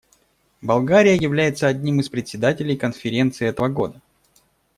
Болгария является одним из Председателей Конференции этого года.